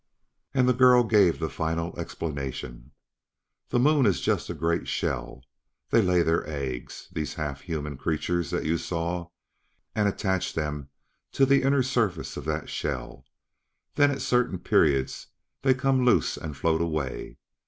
And the girl gave the final explanation: "The Moon is just a great shell. They lay their eggs, these half human creatures that you saw, and attach them to the inner surface of that shell. Then at a certain period they come loose and float away.